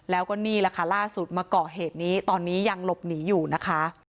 แล้วก็นี่แหละค่ะล่าสุดมาเกาะเหตุนี้ตอนนี้ยังหลบหนีอยู่นะคะ